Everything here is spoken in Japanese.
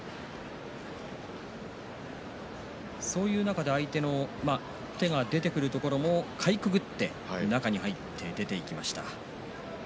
そういう中で相手の手が出てくるところをかいくぐって中に入って出ていきました。